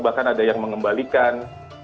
bahkan ada yang mengembalikan